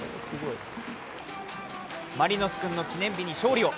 マリノス君の記念日に勝利を。